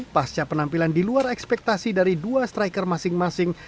pasca penampilan di luar ekspektasi dari dua striker masing masing